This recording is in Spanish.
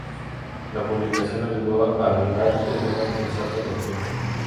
La publicación ayudó a avivar el debate social sobre el tema.